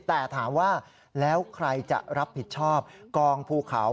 แต่ถามว่าแล้วใครจะรับผิดชอบกองภูเขา